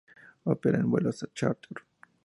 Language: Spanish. Opera en vuelos charter.